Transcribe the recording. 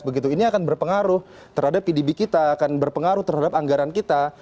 begitu ini akan berpengaruh terhadap pdb kita akan berpengaruh terhadap anggaran kita